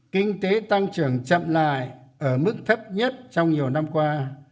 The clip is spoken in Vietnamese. kinh tế tăng trưởng chậm lại ở mức thấp nhất trong nhiều năm qua